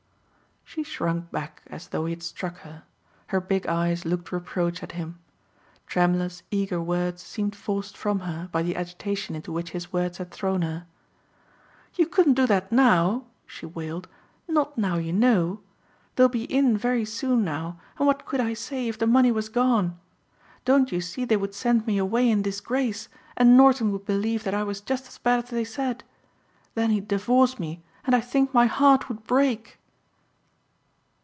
She shrunk back as though he had struck her. Her big eyes looked reproach at him. Tremulous eager words seemed forced from her by the agitation into which his words had thrown her. "You couldn't do that now," she wailed, "not now you know. They'll be in very soon now and what could I say if the money was gone? Don't you see they would send me away in disgrace and Norton would believe that I was just as bad as they said? Then he'd divorce me and I think my heart would break."